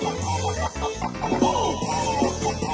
ให้รู้สึกดี